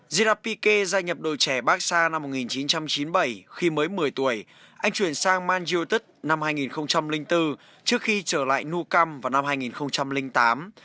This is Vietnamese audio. zerapike gia nhập đội trẻ baxa năm một nghìn chín trăm chín mươi bảy khi mới một mươi tuổi anh chuyển sang man utd năm hai nghìn bốn trước khi trở lại nuukam vào năm hai nghìn tám